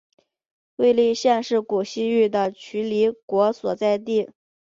尉犁县是古西域的渠犁国所在地。